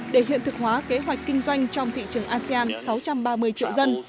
để hiện thực hóa kế hoạch kinh doanh trong thị trường asean sáu trăm ba mươi triệu dân